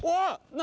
何？